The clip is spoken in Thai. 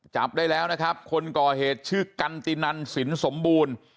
จับได้แล้วนะครับคนก่อเหตุชื่อกันตินันสินสมบูรณ์